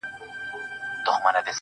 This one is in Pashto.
که مي د دې وطن له کاڼي هم کالي څنډلي.